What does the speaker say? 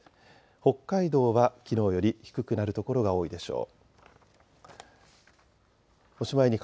北海道はきのうより低くなる所が多いでしょう。